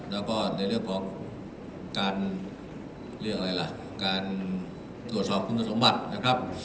แล้วก็ในเรื่องของการเรียกอะไรล่ะการตรวจสอบคุณสมบัตินะครับ